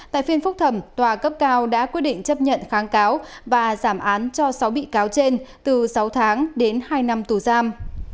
tại phiên phúc thẩm tòa cấp cao đã quyết định chấp nhận kháng cáo và giảm án cho sáu bị cáo trên từ sáu tháng đến hai năm tù giam